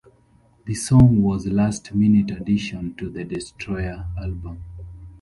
The song was a last-minute addition to the "Destroyer" album.